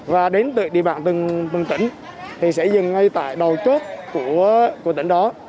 và đến địa bàn từng tỉnh thì sẽ dừng ngay tại đầu chốt của tỉnh đó